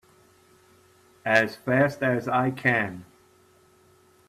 As fast as I can!